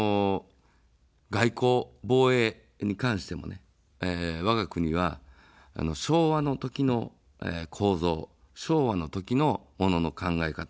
外交、防衛に関してもね、わが国は、昭和の時の構造、昭和の時のものの考え方。